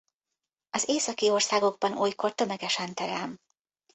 Az északi országokban olykor tömegesen terem.